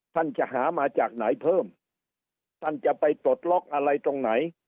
ท่านจะหามาจากไหนเพิ่มท่านจะไปปลดล็อกอะไรตรงไหน